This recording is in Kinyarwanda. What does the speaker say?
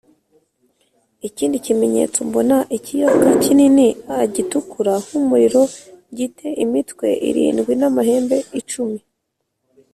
ikindi kimenyetso mbona ikiyoka kinini a gitukura nk umuriro gi te imitwe irindwi n amahembe icumi